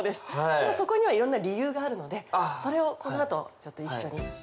でもそこにはいろんな理由があるのでそれをこの後ちょっと一緒に。